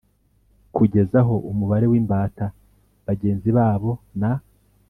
kugeza aho umubare w imbata bagenzi babo na